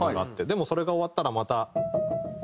でもそれが終わったらまた。